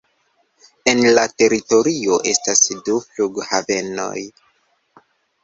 En la teritorio estas du flughavenoj.